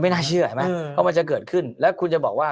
น่าเชื่อใช่ไหมว่ามันจะเกิดขึ้นแล้วคุณจะบอกว่า